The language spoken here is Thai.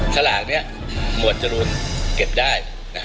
สลากนี้หมวดจรูนเก็บได้